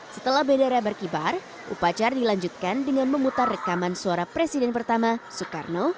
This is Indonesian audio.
setelah bendera berkibar upacara dilanjutkan dengan memutar rekaman suara presiden pertama soekarno